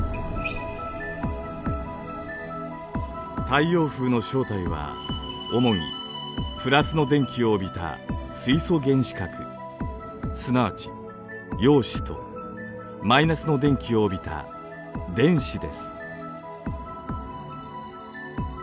太陽風の正体は主にプラスの電気を帯びた水素原子核すなわち陽子とマイナスの電気を帯びた電子です。